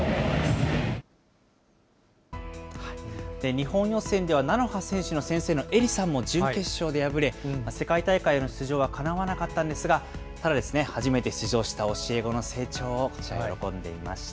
日本予選ではなのは選手の先生のエリさんも準決勝で敗れ、世界大会への出場はかなわなかったんですが、ただ、初めて出場した教え子の成長を喜んでいました。